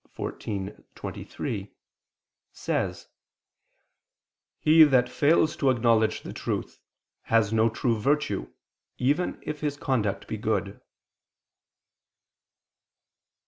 14:23), says: "He that fails to acknowledge the truth, has no true virtue, even if his conduct be good."